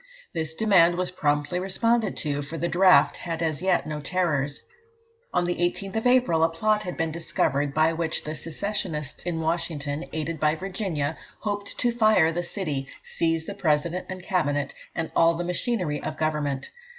This demand was promptly responded to, for the draft had as yet no terrors. On the 18th of April, a plot had been discovered by which the secessionists in Washington, aided by Virginia, hoped to fire the city, seize the President and Cabinet, and all the machinery of government.